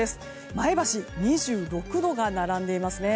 前橋、２６度が並んでいますね。